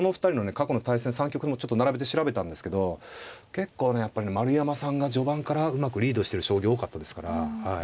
過去の対戦３局ちょっと並べて調べたんですけど結構ねやっぱりね丸山さんが序盤からうまくリードしてる将棋多かったですから。